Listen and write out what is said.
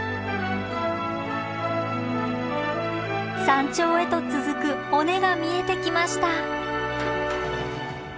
山頂へと続く尾根が見えてきました。